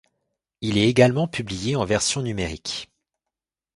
Il est également publié en version numérique.